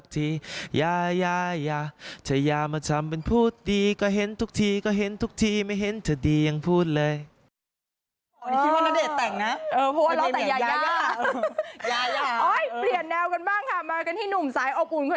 ที่ไม่เห็นเธอดียังพูดเลย